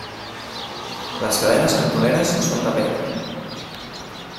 Les cadenes cantoneres són de pedra.